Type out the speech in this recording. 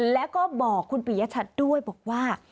แล้วก็บอกคุณปียชัดด้วยบอกว่า